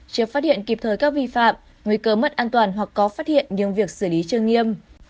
chưa phát hiện kịp thời các vi phạm nguy cơ mất an toàn hoặc có phát hiện nhưng việc xử lý chưa nghiêm